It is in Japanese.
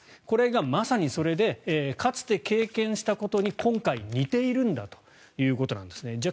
これがまさにそれでかつて経験したことに今回、似ているんだということなんですね。